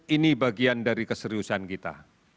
ini bagian dari keseriusan kita